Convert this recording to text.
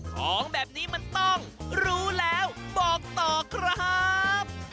ของแบบนี้มันต้องรู้แล้วบอกต่อครับ